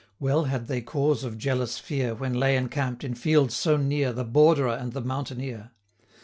Well had they cause of jealous fear, 140 When lay encamp'd, in field so near, The Borderer and the Mountaineer.